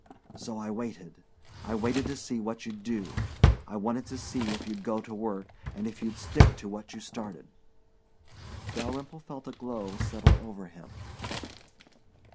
So I waited. I wanted to see what you'd do. I wanted to see if you'd go to work, and if you'd stick to what you started." Dalyrimple felt a glow settle over him.